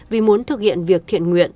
vì muốn thực hiện việc thiện nguyện